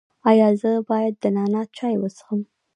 ایا زه باید د نعناع چای وڅښم؟